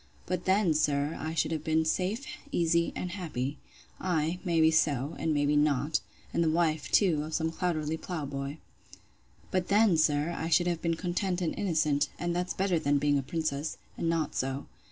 But then, sir, I should have been safe, easy, and happy.—Ay, may be so, and may be not; and the wife, too, of some clouterly plough boy. But then, sir, I should have been content and innocent; and that's better than being a princess, and not so.